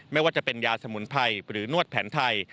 ไม่ว่าจะเป็นยาสมุนไพรหรือนวดแผนไทย